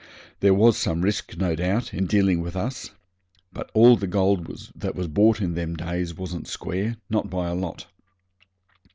There was some risk, no doubt, in dealing with us, but all the gold that was bought in them days wasn't square, not by a lot.